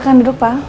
silakan duduk pak